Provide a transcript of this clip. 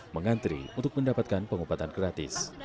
mengantri untuk mendapatkan pengobatan gratis